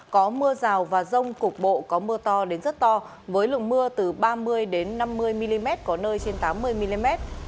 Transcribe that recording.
có mưa rào và rông cục bộ có mưa to đến rất to với lượng mưa từ ba mươi năm mươi mm có nơi trên tám mươi mm